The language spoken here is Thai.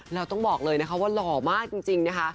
เราต้องบอกเลยว่าหล่อมากจริงนะคะ